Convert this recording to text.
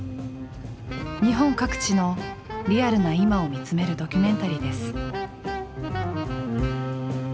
日本各地のリアルな今を見つめるドキュメンタリーです。